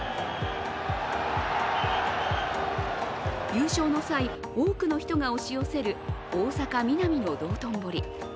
優勝の際、多くの人が押し寄せる大阪・ミナミの道頓堀。